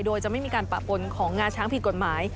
โดยจะไม่มีการปะปนของงาช้างผิดกฎหมาย